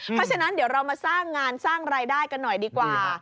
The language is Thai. เพราะฉะนั้นเดี๋ยวเรามาสร้างงานสร้างรายได้กันหน่อยดีกว่า